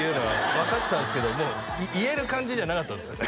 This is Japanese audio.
分かってたんですけどもう言える感じじゃなかったんですよ